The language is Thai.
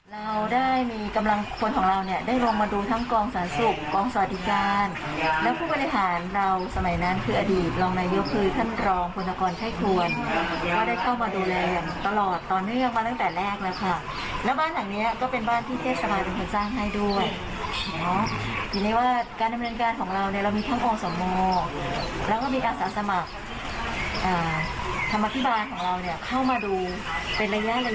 เราได้มีกำลังคนของเราเนี่ยได้ลงมาดูทั้งกองสารสุขกองสวัสดิการแล้วผู้บริฐานเราสมัยนั้นคืออดีตรองนายเยี่ยมคือท่านรองพลนกรไข้ทวนก็ได้เข้ามาดูแลอย่างตลอดต่อเนื่องมาตั้งแต่แรกแล้วค่ะแล้วบ้านหลังเนี้ยก็เป็นบ้านที่เทศสมาธิมทรักษ์สร้างให้ด้วยเนอะทีนี้ว่าการดำเนินการของเราเนี่ยเราม